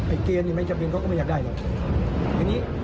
ไอ้เกณฑ์ไม่จำเป็นเขาก็ไม่อยากได้หรอก